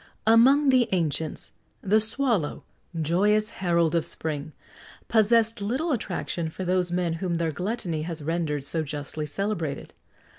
Among the ancients, the swallow joyous herald of spring possessed little attraction for those men whom their gluttony has rendered so justly celebrated.